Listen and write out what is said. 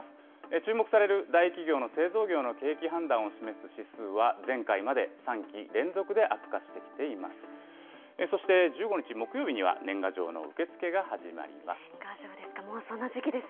注目される大企業の製造業の景気判断を示す指数は、前回まで３期連続で悪化してきています。